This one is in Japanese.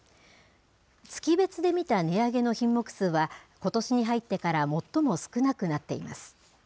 月別で見た値上げの品目数は、ことしに入ってから最も少なくなっています。